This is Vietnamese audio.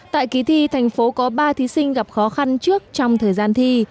tại kỳ thi thành phố có ba thí sinh gặp khó khăn trước trong thời gian thi